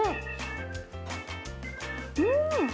うん！